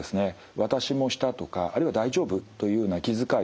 「私もした」とかあるいは「大丈夫？」というような気遣いのですね